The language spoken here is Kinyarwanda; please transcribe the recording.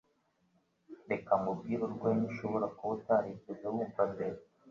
Reka nkubwire urwenya ushobora kuba utarigeze wumva mbere